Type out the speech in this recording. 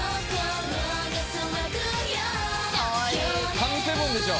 神７でしょ。